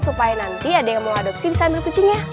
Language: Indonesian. supaya nanti ada yang mau adopsi sambil kucingnya